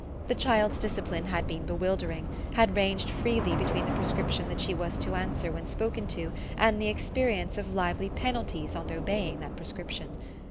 The child's discipline had been bewildering had ranged freely between the prescription that she was to answer when spoken to and the experience of lively penalties on obeying that prescription.